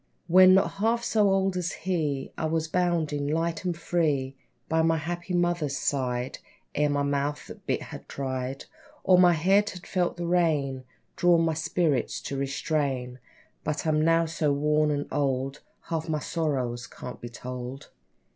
When not half so old as he, I was bounding, light and free, By my happy mother's side, Ere my mouth the bit had tried, Or my head had felt the rein Drawn, my spirits to restrain. But I'm now so worn and old, Half my sorrows can't be told.